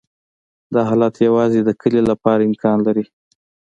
دا حالت یوازې د کلې لپاره امکان لري